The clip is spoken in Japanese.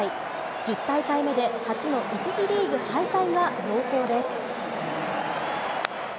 １０大会目で初の１次リーグ敗退が濃厚です。